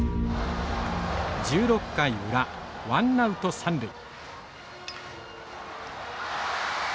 １６回裏ワンナウト三塁。